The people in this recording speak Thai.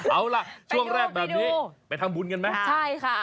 เอาล่ะช่วงแรกแบบนี้ไปทำบุญกันไหมใช่ค่ะ